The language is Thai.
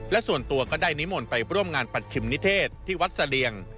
และส่วนตัวก็ได้นิมนต์ไปร่วมงานปัชชิมนิเทศที่วัดเสลียง